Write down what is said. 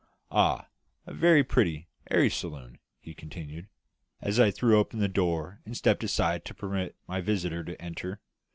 Ah, a very pretty, airy saloon," he continued, as I threw open the door and stepped aside to permit my visitors to enter.